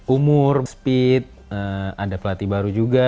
umur speed ada pelatih baru juga